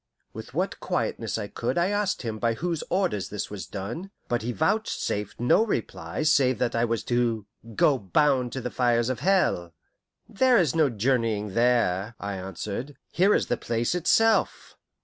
With what quietness I could I asked him by whose orders this was done; but he vouchsafed no reply save that I was to "go bound to fires of hell." "There is no journeying there," I answered; "here is the place itself."